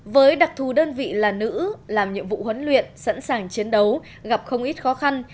với đặc thù đơn vị là nữ làm nhiệm vụ huấn luyện sẵn sàng chiến đấu gặp không ít khó khăn